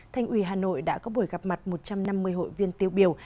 thành ủy hà nội đã có buổi gặp mặt một trăm năm mươi hội viên tiêu biểu